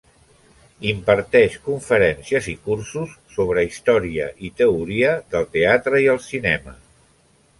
Imparteix conferències i cursos sobre història i teoria del teatre i el cinema.